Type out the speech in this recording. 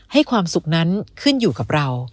ความสุขนั้นขึ้นอยู่กับเรา